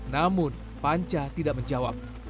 namun pancah tidak menjawab